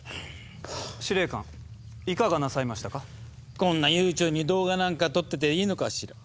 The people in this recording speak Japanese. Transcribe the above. こんな悠長に動画なんか撮ってていいのかしら？